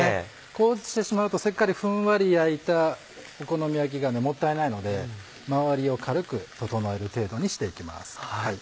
こうしてしまうとせっかくふんわり焼いたお好み焼きがもったいないので周りを軽く整える程度にしていきます。